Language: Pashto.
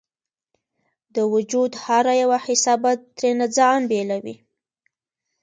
د وجود هره یوه حصه به ترېنه ځان بیلوي